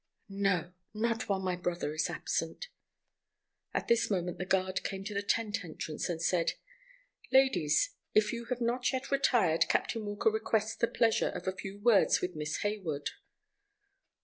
"No, not while my brother is absent." At this moment the guard came to the tent entrance and said: "Ladies, if you have not yet retired Captain Walker requests the pleasure of a few words with Miss Hayward."